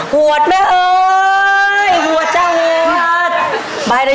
หวดไปเฮ้ยหวดจ้ะเว้ยนัด